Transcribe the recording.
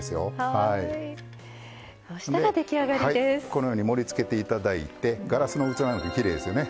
このように盛りつけて頂いてガラスの器なんかきれいですよね。